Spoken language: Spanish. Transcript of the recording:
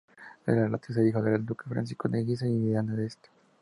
Era el tercer hijo del duque Francisco de Guisa y de Ana de Este.